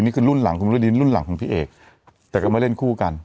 นี่คือรุ่นหลังคุณหมูลดีนี่คือรุ่นหลังของพี่เอกแต่ก็มาเล่นคู่กัน